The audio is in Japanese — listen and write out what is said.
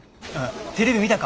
テレビ見たか？